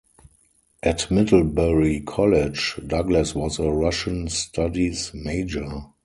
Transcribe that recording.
At Middlebury College, Douglas was a Russian Studies major.